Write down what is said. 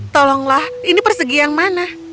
tolonglah ini persegi yang mana